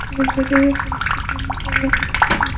তবেই জরুরী পরিস্থিতির মোকাবেলা করতে পারব।